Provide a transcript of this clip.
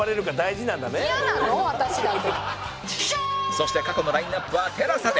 そして過去のラインアップは ＴＥＬＡＳＡ で